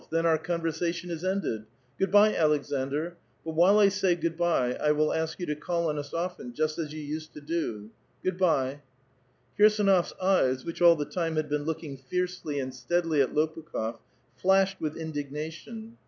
Then our con versation is ended. Good by, Aleksandr. But while I say good by, I will ask you to call on us often, just as you used to do. Do sviddnya," Kirsdnofs eyes, which all the time had been looking fiercely and steadily at Lopukh6f, flashed with indignation.